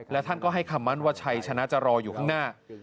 และท่านก็ให้คำมั่นว่าชัยชนะจะรออยู่ข้างหน้า